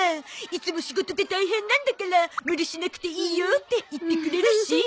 いつも「仕事で大変なんだから無理しなくていいよ」って言ってくれるし。